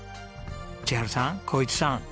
千春さん紘一さん。